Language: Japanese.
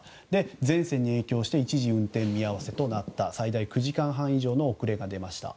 前線に影響して一時運転見合わせとなり最大９時間半以上の遅れが出ました。